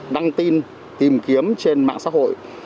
đăng tin tìm kiếm trên mạng xã hội